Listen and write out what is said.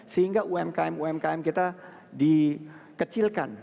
sehingga umkm umkm kita dikecilkan